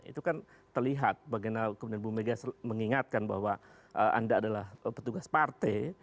itu kan terlihat bagaimana kemudian bu mega mengingatkan bahwa anda adalah petugas partai